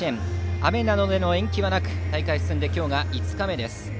雨などでの延期はなく大会、進んで今日が５日目です。